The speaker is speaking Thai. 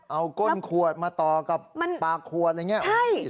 เอาก้นขวดมาต่อกับปากขวดอะไรอย่างนี้